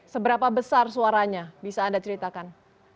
seberapa besar suaranya bisa anda ceritakan